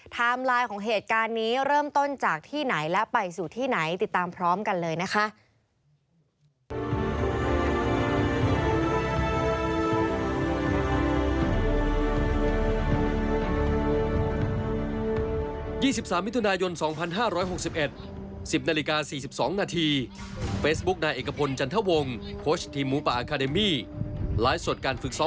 ไลน์ของเหตุการณ์นี้เริ่มต้นจากที่ไหนและไปสู่ที่ไหนติดตามพร้อมกันเลยนะคะ